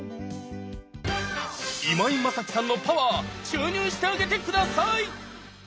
今井マサキさんのパワー注入してあげて下さい！